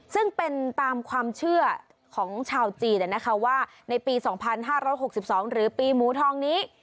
ซึ่งเป็นตามความเชื่อของชาวจีนว่าในปี๒๕๖๒หรือปีหมูทองนี้